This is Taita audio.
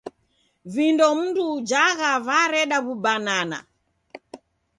Vindo mndu ujagha vareda w'ubinana.